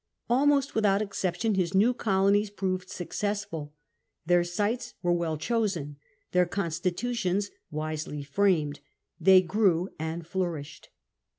Almost without exception his new colonies proved successful; their sites were well chosen, their constitutions wisely framed; they grew and nourished.